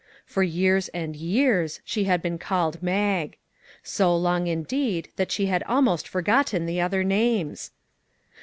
For years and years she had been called " Mag." So long indeed that she had almost forgotten the other names.